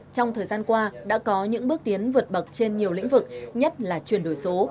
trong thời gian qua đã có những bước tiến vượt bậc trên nhiều lĩnh vực nhất là chuyển đổi số